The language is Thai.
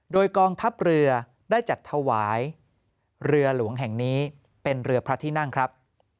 โดยกองทัพเรือได้จัดถวายเรือหลวงแห่งนี้เป็นเรือพระที่นั่งครับ